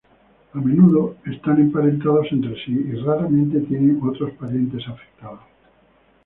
A menudo están emparentados entre sí, y raramente tienen otros parientes afectados.